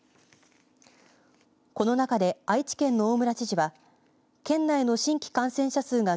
この中で愛知県の大村知事は県内の新規感染者数が